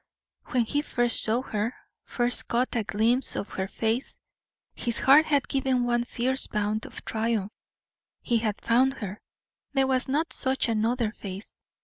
When he first saw her first caught a glimpse of her face his heart had given one fierce bound of triumph. He had found her; there was not such another face.